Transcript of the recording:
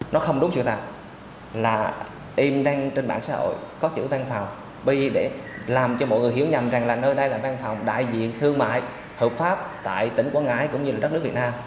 nó không đúng sự thật là em đang trên mạng xã hội có chữ văn phòng p để làm cho mọi người hiểu nhầm rằng là nơi đây là văn phòng đại diện thương mại hợp pháp tại tỉnh quảng ngãi cũng như là đất nước việt nam